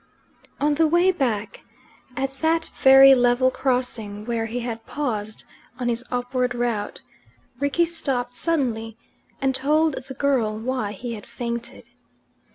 XIV On the way back at that very level crossing where he had paused on his upward route Rickie stopped suddenly and told the girl why he had fainted.